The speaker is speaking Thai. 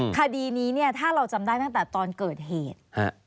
คดีนี้เนี่ยถ้าเราจำได้ตั้งแต่ตอนเกิดเหตุ